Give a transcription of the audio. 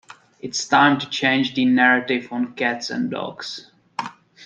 It's time to change the narrative on cats and dogs.